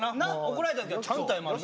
怒られた時はちゃんと謝る。